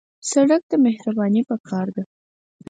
سړک ته مهرباني پکار ده.